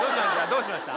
どうしました？